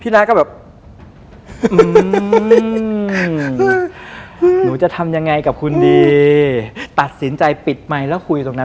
น้าก็แบบหนูจะทำยังไงกับคุณดีตัดสินใจปิดไมค์แล้วคุยตรงนั้น